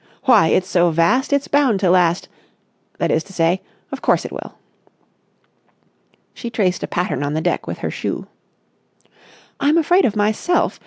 why, it's so vast, it's bound to last ... that is to say, of course it will." She traced a pattern on the deck with her shoe. "I'm afraid of myself.